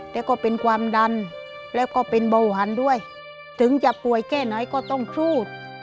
แต่ก็เป็นความดันแล้วก็เป็นเบาหันด้วยถึงจะป่วยแค่ไหนก็ต้องพูด